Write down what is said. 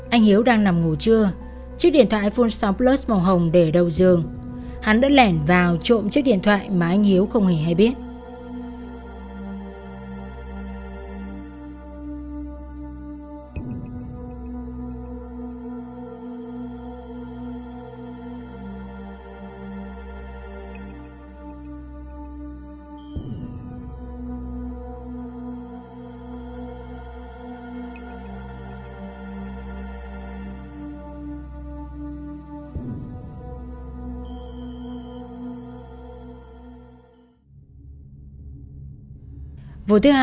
anh hiếu đang nằm ngủ trưa chiếc điện thoại iphone sáu plus màu hồng để đầu giường hắn đã lẻn vào trộm chiếc điện thoại mà anh hiếu không hề hay biết